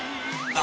何？